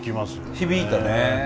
響いたね。